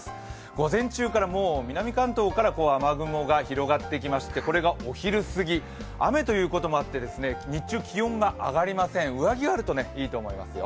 午前中から、南関東から雨雲が広がってきましてこれがお昼過ぎ、雨ということもあって日中気温が上がりません、上着があるといいと思いますよ。